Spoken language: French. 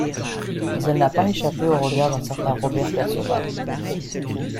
Mais elle n'a pas échappé au regard d'un certain Robert Perceval.